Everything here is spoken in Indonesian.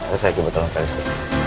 terus saya coba tolong ke situ